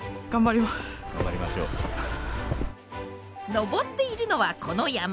登っているのはこの山。